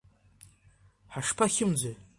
Ҳашԥахьымӡои.